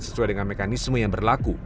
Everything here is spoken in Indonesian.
sesuai dengan mekanisme yang berlaku